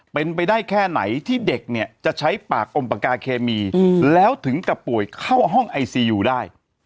เป็นไปได้แค่ไหนที่เด็กเนี่ยจะใช้ปากอมปากกาเคมีแล้วถึงกับป่วยเข้าห้องไอซียูได้